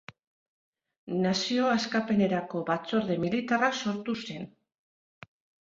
Nazio Askapenerako Batzorde Militarra sortu zen.